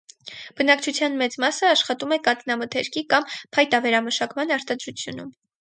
Բնակչության մեծ մասը աշխատում է կաթնամթերքի կամ փայտավերամշակման արտադրությունում։